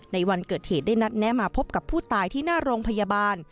ในวันเกิดเหตุได้นัดแนะมาพบกับผู้ตายที่หน้าโรงพยาบาล